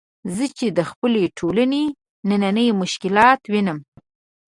زه چې د خپلې ټولنې نني مشکلات وینم.